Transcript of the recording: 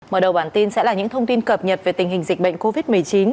mở đầu bản tin sẽ là những thông tin cập nhật về tình hình dịch bệnh covid một mươi chín